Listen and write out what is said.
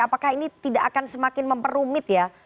apakah ini tidak akan semakin memperumit ya